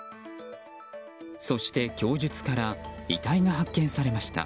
そして供述から遺体が発見されました。